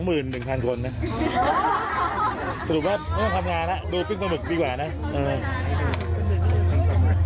สรุปว่าไม่ต้องทำงานอ่ะดูปลาหมึกดีกว่านะนะเออ